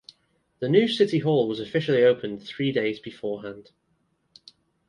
The new City Hall was officially opened three days beforehand.